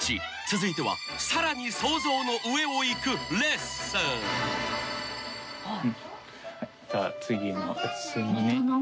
続いてはさらに想像の上をいくレッスン］